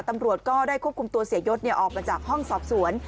ตำรวจก็ได้ควบคุมตัวเสียยศออกมาจากห้องสอบสวน